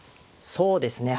そうですね。